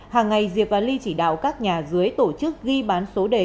hàng ngày diệp và ly chỉ đạo các nhà dưới tổ chức ghi bán số đề